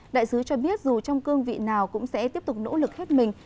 đại sứ cho biết dù trong cương vị nào cũng sẽ tiếp tục nỗ lực hết mình